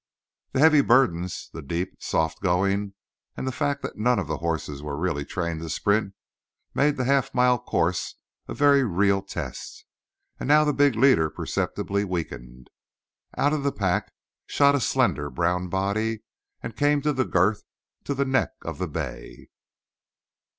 The heavy burdens, the deep, soft going, and the fact that none of the horses were really trained to sprint, made the half mile course a very real test, and now the big leader perceptibly weakened. Out of the pack shot a slender brown body, and came to the girth to the neck of the bay.